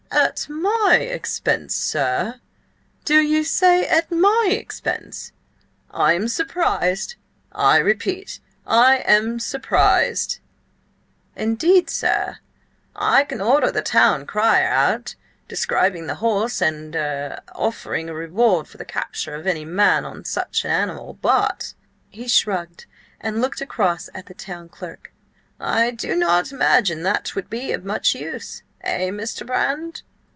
"At my expense, sir? Do ye say at my expense? I am surprised! I repeat–I am surprised!" "Indeed, sir? I can order the town crier out, describing the horse, and–er–offering a reward for the capture of any man on such an animal. But—" he shrugged and looked across at the town clerk–"I do not imagine that 'twould be of much use–eh, Mr. Brand?"